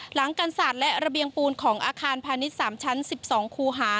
หลังกันศาสตร์และระเบียงปูนของอาคารพาณิชย์๓ชั้น๑๒คูหา